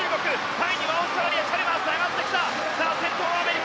３位にはオーストラリアチャルマースが上がってきた。